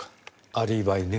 アリバイね。